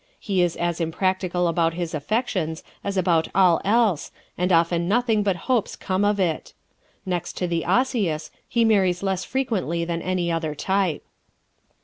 He is as impractical about his affections as about all else and often nothing but hopes come of it. Next to the Osseous he marries less frequently than any other type.